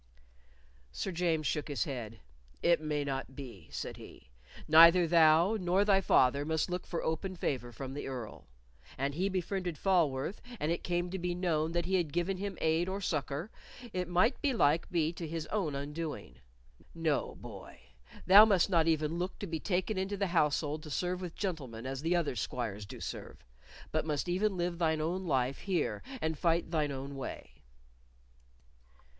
Sir James shook his head. "It may not be," said he. "Neither thou nor thy father must look for open favor from the Earl. An he befriended Falworth, and it came to be known that he had given him aid or succor, it might belike be to his own undoing. No, boy; thou must not even look to be taken into the household to serve with gentlemen as the other squires do serve, but must even live thine own life here and fight thine own way."